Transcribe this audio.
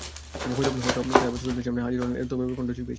হয়তো তাই আবার শ্রোতাদের সামনে হাজির হলেন, তবে এবার কণ্ঠশিল্পী হিসেবে।